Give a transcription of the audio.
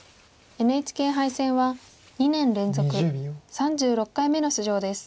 ＮＨＫ杯戦は２年連続３６回目の出場です。